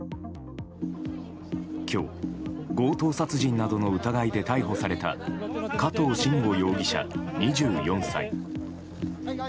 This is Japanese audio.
今日、強盗殺人などの疑いで逮捕された加藤臣吾容疑者、２４歳。